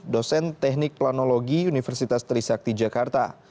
dosen teknik planologi universitas trisakti jakarta